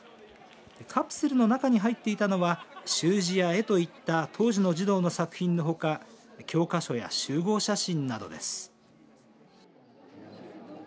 カプセルの中に入っていたのは習字や絵といった当時の児童の作品のほか教科書や集合写真などです。